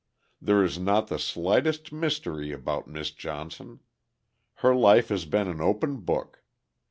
There is not the slightest mystery about Miss Johnson. Her life has been an open book.